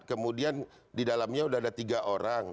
kemudian di dalamnya sudah ada tiga orang